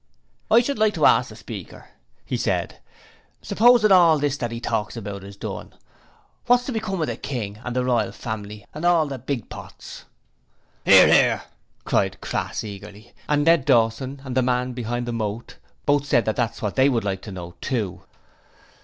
'I should like to ask the speaker,' he said, 'supposin' all this that 'e talks about is done what's to become of the King, and the Royal Family, and all the Big Pots?' ''Ear, 'ear,' cried Crass, eagerly and Ned Dawson and the man behind the moat both said that that was what they would like to know, too.